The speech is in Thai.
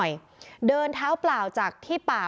แม่น้องชมพู่แม่น้องชมพู่